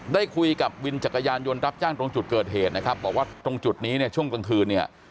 ได้คุยกับวินจักรยานยนต์รับจ้างตรงจุดเกิดเหตุนะครับบอกว่าตรงจุดนี้เนี่ยช่วงกลางคืนเนี่ย